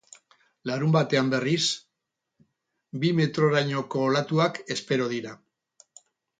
Larunbatean, berriz, bi metrorainoko olatuak espero dira.